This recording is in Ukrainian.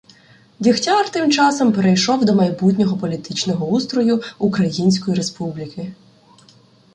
Дігтяр тим часом перейшов до майбутнього політичного устрою української республіки.